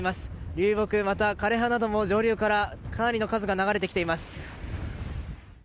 流木、枯れ葉なども上流からかなりの数が流れてきています。